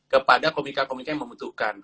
kepada komika komika yang membutuhkan